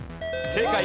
正解。